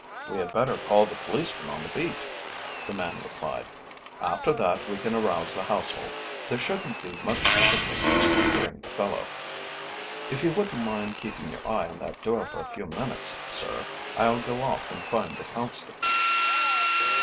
"We had better call the policeman on the beat," the man replied; "after that we can arouse the household. There shouldn't be much difficulty in securing the fellow. If you wouldn't mind keeping your eye on that door for a few minutes, sir, I'll go off and find the constable."